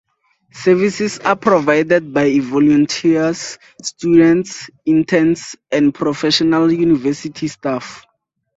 Services are provided by volunteers, students, interns and professional university staff.